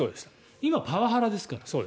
今、パワハラですから。